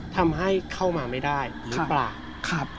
ทำให้เข้ามาไม่ได้หรือเปล่า